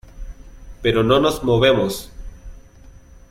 pero no nos movemos.